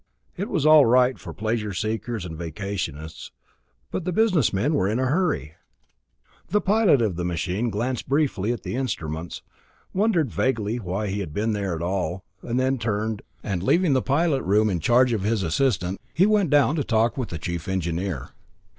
It was all right for pleasure seekers and vacationists, but business men were in a hurry. The pilot of the machine glanced briefly at the instruments, wondered vaguely why he had to be there at all, then turned, and leaving the pilot room in charge of his assistant, went down to talk with the chief engineer.